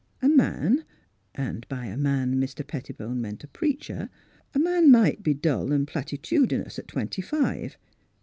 A man — and by a man Mr. Pet tibone meant a preacher — A man might be dull and platitudinous at twenty five.